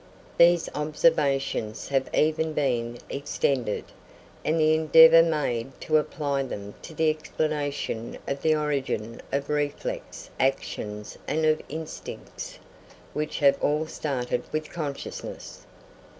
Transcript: These observations have even been extended, and the endeavour made to apply them to the explanation of the origin of reflex actions and of instincts which have all started with consciousness.